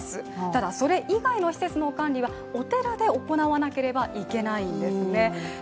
ただ、それ以外の施設の管理についてはお寺で行わなければいけないんですね。